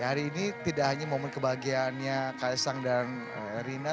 hari ini tidak hanya momen kebahagiaannya kaisang dan rina